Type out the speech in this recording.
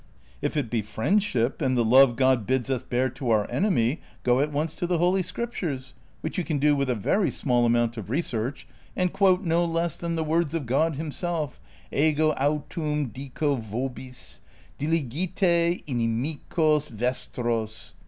If it be friendship and the love God bids us bear to our enemy, go at once to the Holy Scriptures, which you can do with a very small amount of research, and quote no less than the words of God himself : Ego autem dico vohis : dUigife inhnicos vestros.